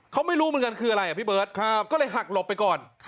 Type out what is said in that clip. เขาไม่รู้เหมือนกันคืออะไรอ่ะพี่เบิร์ตก็เลยหักหลบไปก่อน